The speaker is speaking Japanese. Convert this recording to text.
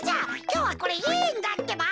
きょうはこれいいんだってば。